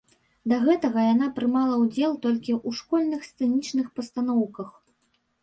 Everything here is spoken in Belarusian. Да гэтага яна прымала ўдзел толькі ў школьных сцэнічных пастаноўках.